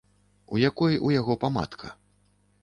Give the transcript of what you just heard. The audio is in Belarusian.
У якой у яго памадка.